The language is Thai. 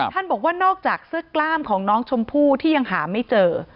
ท่านบอกว่านอกจากเสื้อกล้ามของน้องชมพู่ที่ยังหาไม่เจอ